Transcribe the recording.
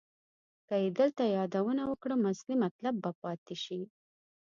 که یې دلته یادونه وکړم اصلي مطلب به پاتې شي.